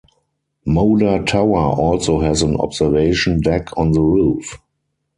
Moda Tower also has an observation deck on the roof.